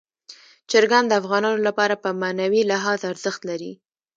چرګان د افغانانو لپاره په معنوي لحاظ ارزښت لري.